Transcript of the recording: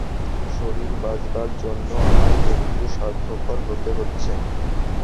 শরীর বাঁচাবার জন্য আমায় একটু স্বার্থপর হতে হচ্ছে।